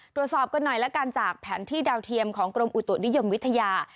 ตรวจสอบกันหน่อยแล้วกันจากแผนที่ดาวเทียมของกรมอุตุนิยมวิทยา